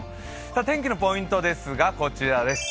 天気のポイントですが、こちらです。